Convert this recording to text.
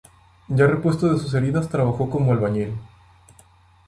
Ya repuesto de sus heridas trabajó como albañil.